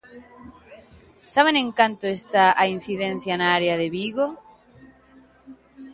¿Saben en canto está a incidencia na área de Vigo?